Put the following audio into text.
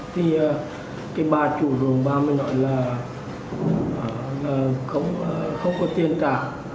thì cái ba chủ vườn ba mới nói là không có tiền trả